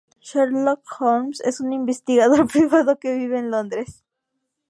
Sherlock Holmes es un investigador privado que vive en Londres.